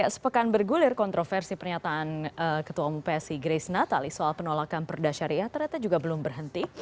sepekan bergulir kontroversi pernyataan ketua umu psi grace nathalie soal penolakan perdasariah ternyata juga belum berhenti